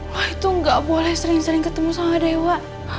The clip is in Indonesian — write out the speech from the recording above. lo itu gak boleh sering sering ketemu sama dewa